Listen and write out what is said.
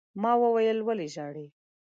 ما وويل: ولې ژاړې؟